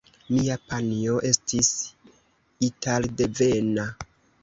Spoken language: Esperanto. Mia panjo estis italdevena.